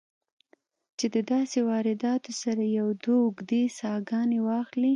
چې د داسې واردات سره يو دوه اوږدې ساهګانې واخلې